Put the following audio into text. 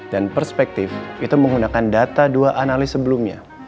dan perspektif itu menggunakan data dua analis sebelumnya